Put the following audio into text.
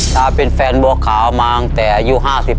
ถ้าเป็นแฟนบัวขาวมาตั้งแต่อายุ๕๐